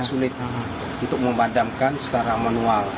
sulit untuk memadamkan secara manual